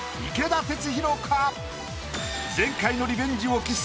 前回のリベンジを期す